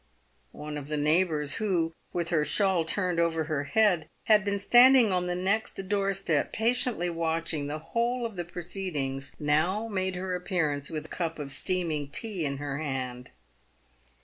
One of the neighbours, who, with her shawl turned over her head, had been standing on the next door step, patiently watching the whole of the proceedings, now made her appearance with a cup of steaming tea in her hand.